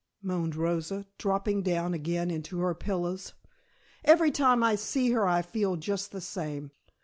moaned Rosa, dropping down again into her pillows. "Every time I see her I feel just the same.